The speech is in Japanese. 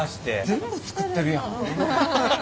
全部作ってるやん。